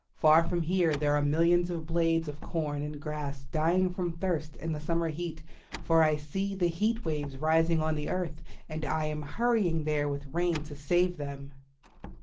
Far from here there are millions of blades of corn and grass dying from thirst in the summer heat, for I see the heat waves rising on the earth, and I am hurrying there with rain to save them."